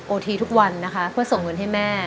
ทีทุกวันนะคะเพื่อส่งเงินให้แม่